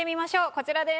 こちらです。